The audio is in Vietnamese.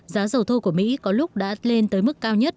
giá dầu thô của mỹ có lúc đã lên tới mức cao nhất